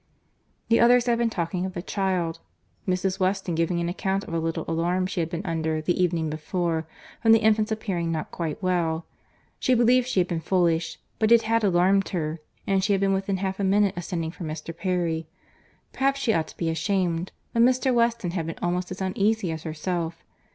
The others had been talking of the child, Mrs. Weston giving an account of a little alarm she had been under, the evening before, from the infant's appearing not quite well. She believed she had been foolish, but it had alarmed her, and she had been within half a minute of sending for Mr. Perry. Perhaps she ought to be ashamed, but Mr. Weston had been almost as uneasy as herself.